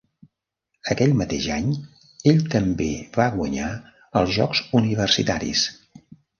Aquell mateix any, ell també va guanyar els Jocs Universitaris.